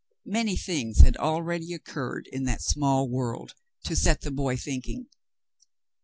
Many things had already occurred in that small world to set the boy thinking.